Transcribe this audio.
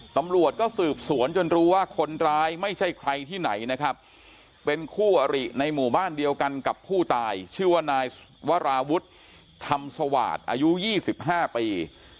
ตำรวจก็สืบสวนจนรู้ว่าคนร้ายไม่ใช่ใครที่ไหนนะครับเป็นคู่อริในหมู่บ้านเดียวกันกับผู้ตายชื่อว่านายวราวุฒิธรรมสวาสตร์อายุ๒๕ปี